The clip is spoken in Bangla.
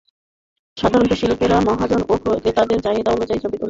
সাধারণত শিল্পীরা মহাজন এবং ক্রেতাদের চাহিদা অনুযায়ী ছবি এঁকে থাকেন।